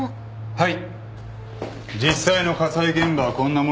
はい。